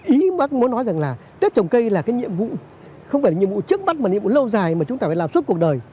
ý bác muốn nói rằng là tết trồng cây là cái nhiệm vụ không phải là nhiệm vụ trước mắt mà nhiệm vụ lâu dài mà chúng ta phải làm suốt cuộc đời